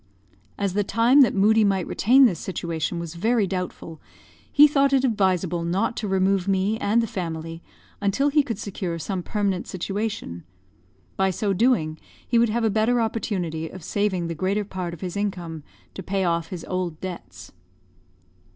As the time that Moodie might retain this situation was very doubtful, he thought it advisable not to remove me and the family until he could secure some permanent situation; by so doing, he would have a better opportunity of saving the greater part of his income to pay off his old debts.